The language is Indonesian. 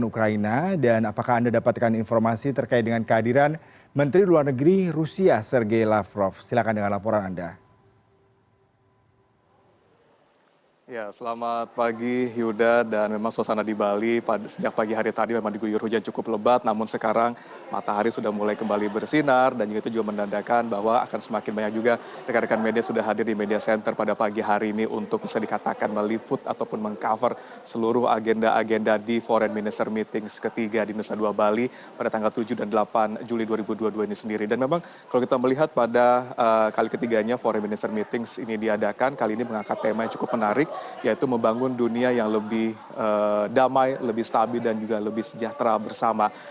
kali ini mengangkat tema yang cukup menarik yaitu membangun dunia yang lebih damai lebih stabil dan juga lebih sejahtera bersama